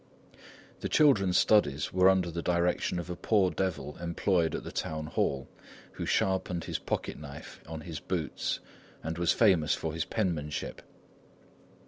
The children's studies were under the direction of a poor devil employed at the town hall, who sharpened his pocketknife on his boots and was famous for his penmanship.